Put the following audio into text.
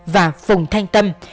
và phùng thanh tâm